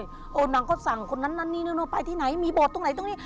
เออนางก็สั่งคนนั้นนั้นนั้นไปที่ไหนมีโบสต์ตรงไหนตรงนี้